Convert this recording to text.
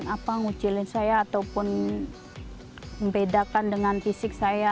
apa ngucilin saya ataupun membedakan dengan fisik saya